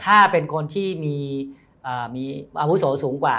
ถ้าเป็นคนที่มีอาวุโสสูงกว่า